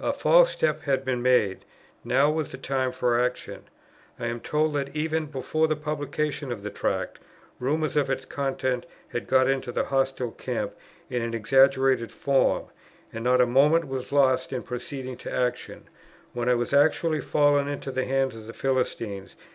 A false step had been made; now was the time for action. I am told that, even before the publication of the Tract, rumours of its contents had got into the hostile camp in an exaggerated form; and not a moment was lost in proceeding to action, when I was actually fallen into the hands of the Philistines.